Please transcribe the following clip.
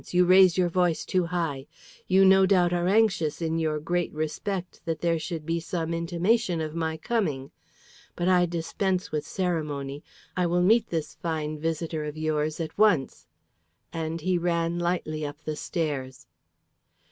You raise your voice too high. You no doubt are anxious in your great respect that there should be some intimation of my coming. But I dispense with ceremony. I will meet this fine visitor of yours at once;" and he ran lightly up the stairs.